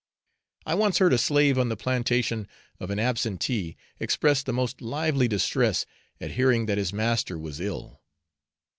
I once heard a slave on the plantation of an absentee express the most lively distress at hearing that his master was ill.